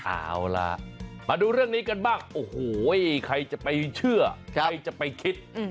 เอาล่ะมาดูเรื่องนี้กันบ้างโอ้โหใครจะไปเชื่อใครจะไปคิด